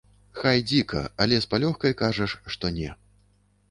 Хай дзіка, але з палёгкай кажаш, што не.